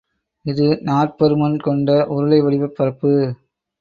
இது நாற்பருமன் கொண்ட உருளை வடிவப்பரப்பு.